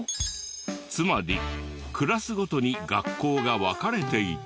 つまりクラスごとに学校が分かれていて。